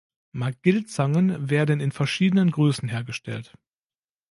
Magill-Zangen werden in verschiedenen Größen hergestellt.